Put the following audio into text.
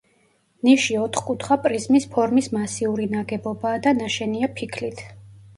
ნიში ოთხკუთხა პრიზმის ფორმის მასიური ნაგებობაა და ნაშენია ფიქლით.